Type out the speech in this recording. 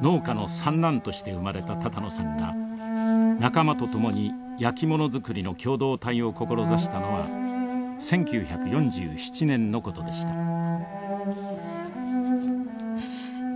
農家の三男として生まれた多々納さんが仲間と共にやきもの作りの共同体を志したのは１９４７年のことでした。